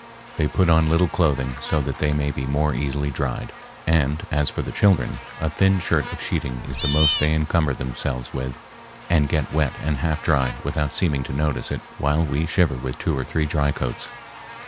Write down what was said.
They put on little clothing so that they may be the more easily dried, and as for the children, a thin shirt of sheeting is the most they encumber themselves with, and get wet and half dry without seeming to notice it while we shiver with two or three dry coats.